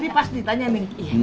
nih pas ditanya nih